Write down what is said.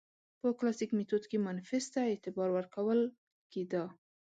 په کلاسیک میتود کې مانیفیست ته اعتبار ورکول کېده.